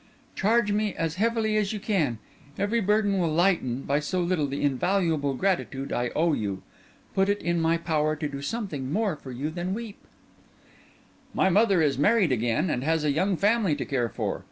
Charge me as heavily as you can; every burden will lighten, by so little, the invaluable gratitude I owe you. Put it in my power to do something more for you than weep." "My mother is married again, and has a young family to care for.